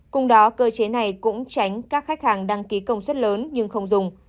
cùng đó cơ chế này cũng tránh các khách hàng đăng ký công suất lớn nhưng không dùng